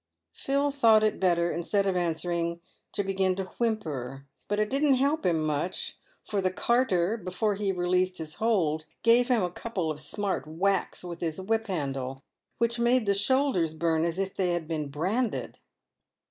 Phil thought it better, instead of answering, to begin to whimper ; but it didn't help him much, for the carter, before he released his hold, gave him a couple of smart whacks with his whip handle, which made the shoulders burn as if they had been branded.